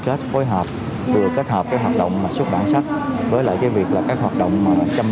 kết phối hợp thừa kết hợp các hoạt động xuất bản sách với lại cái việc là các hoạt động mà chăm